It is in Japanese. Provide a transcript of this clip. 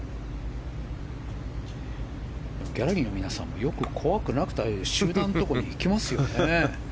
ギャラリーの皆さんもよく怖くなく集団のところに行きますよね。